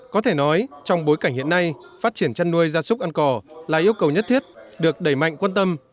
có thể nói trong bối cảnh hiện nay phát triển chăn nuôi gia súc ăn cỏ là yêu cầu nhất thiết được đẩy mạnh quan tâm